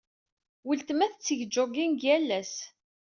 Weltma tetteg jogging yal ass.